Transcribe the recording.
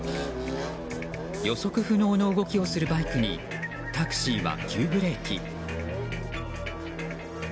予測不能の動きをするバイクにタクシーは急ブレーキ。